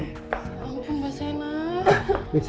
ya ampun mbak sena